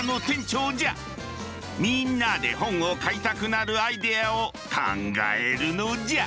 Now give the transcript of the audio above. みんなで本を買いたくなるアイデアを考えるのじゃ。